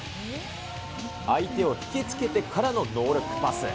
相手を引きつけてからのノールックパス。